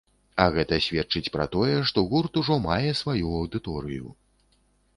А гэта сведчыць пра тое, што гурт ужо мае сваю аўдыторыю.